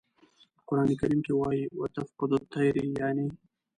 په قرآن کریم کې وایي "و تفقد الطیر" یانې.